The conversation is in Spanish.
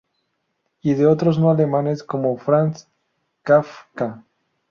Y de otros no alemanes como Franz Kafka.